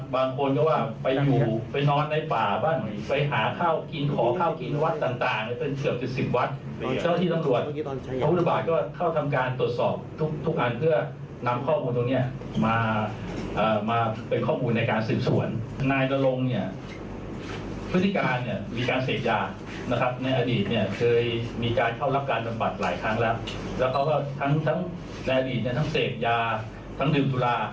มาเป็นข้อมูลในการสืบส่วน